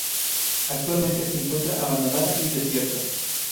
Actualmente se encuentra abandonada y desierta.